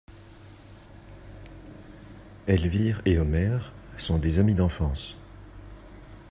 Elvire et Omer sont des amis d'enfance!